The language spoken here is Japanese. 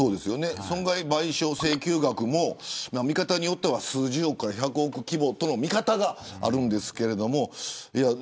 損害賠償請求額も見方によっては数十億から１００億規模との見方があります。